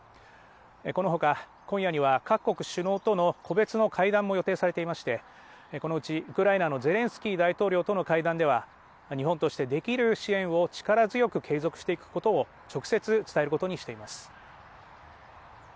このほか今夜には各国首脳との個別の会談も予定されていましてこのうちウクライナのゼレンスキー大統領との会談では日本としてできる支援を力強く継続していくことを直接伝えることにしています。